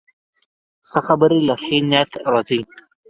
ښه خبرې له ښې نیت راځي